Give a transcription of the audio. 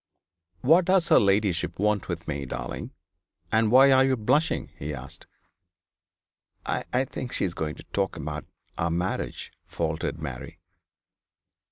'What does her ladyship want with me, darling? and why are you blushing?' he asked. 'I I think she is going to talk about our marriage,' faltered Mary.